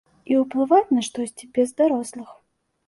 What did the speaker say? І ўплываць на штосьці без дарослых.